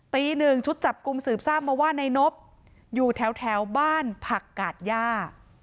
ตีหนึ่งชุดจับกลุ่มสืบทราบมาว่านายนบอยู่แถวบ้านผักกาดย่า